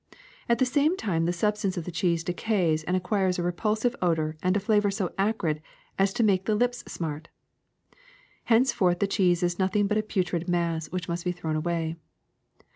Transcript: At the same time the substance of the cheese decays and acquires a re pulsive odor and a flavor so acrid as to make the lips smart. Henceforth the cheese is nothing but a putrid mass which must be thrown away.